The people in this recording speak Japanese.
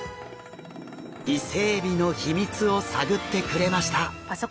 イセエビの秘密を探ってくれました。